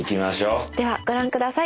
ではご覧下さい。